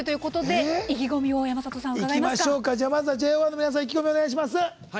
まずは、ＪＯ１の皆さん意気込みお願いします。